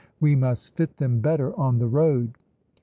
we must fit them better on the road!"